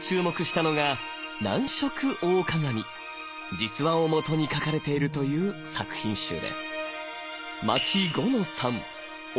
実話を基に書かれているという作品集です。